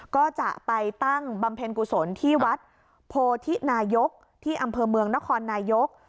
ก็จะไปตั้งบำเพ็ญกุศลที่วัดโพธินายกที่อำเภอเมืองนครนายก